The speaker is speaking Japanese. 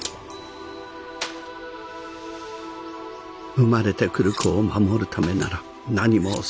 生まれてくる子を守るためなら何も恐れない。